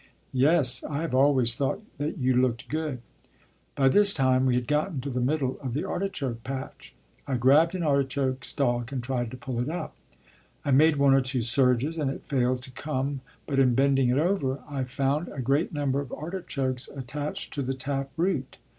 "Yes, I have always thought that you looked good." By this time we had gotten to the middle of the artichoke patch. I grabbed an artichoke stalk and tried to pull it up. I made one or two surges and it failed to come, but in bending it over I found a great number of artichokes attached to the tap root.